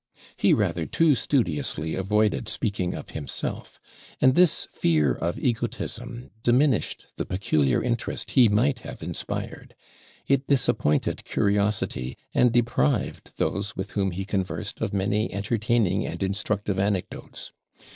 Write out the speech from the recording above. He rather too studiously avoided speaking of himself; and this fear of egotism diminished the peculiar interest he might have inspired: it disappointed curiosity, and deprived those with whom he conversed of many entertaining and instructive anecdotes.